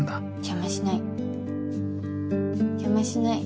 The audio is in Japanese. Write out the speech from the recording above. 邪魔しない。